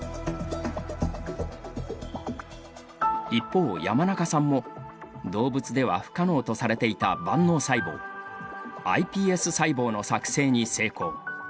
一方山中さんも動物では不可能とされていた万能細胞ｉＰＳ細胞の作製に成功。